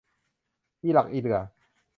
อิหลักอิเหลื่อ